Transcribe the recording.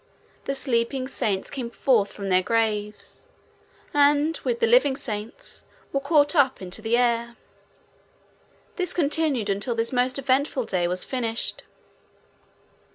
The sleeping saints came forth from their graves and, with the living saints, were caught up into the air. This continued until this most eventful day was finished.